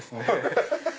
ハハハハ。